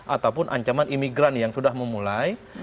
ataupun ancaman imigran yang sudah memulai